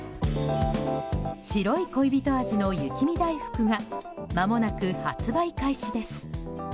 白い恋人味の雪見だいふくがまもなく発売開始です。